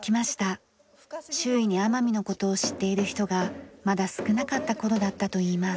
周囲に奄美の事を知っている人がまだ少なかった頃だったといいます。